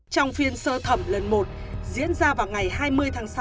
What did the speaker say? trong phiên sơ thẩm lần một diễn ra vào ngày hai mươi tháng sáu năm hai nghìn một mươi tám